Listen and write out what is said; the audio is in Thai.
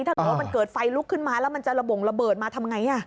ถ้าเกิดไฟลุกขึ้นมาแล้วมันจะระบ่งระเบิดมาทำอย่างไร